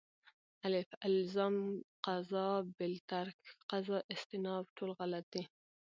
الف: الزام قضا ب: باالترک قضا ج: استیناف د: ټول غلط دي